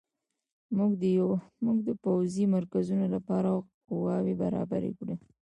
موږ د پوځي مرکزونو لپاره قواوې برابرې کړو.